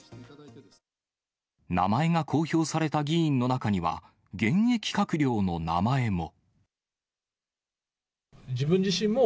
名前が公表された議員の中には、現役閣僚の名前も。